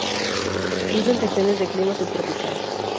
Vive en regiones de clima subtropical.